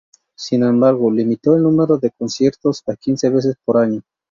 Sin embargo, limitó el número de conciertos a quince veces por año.